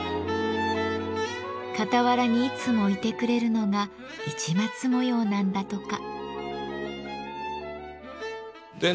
傍らにいつもいてくれるのが市松模様なんだとか。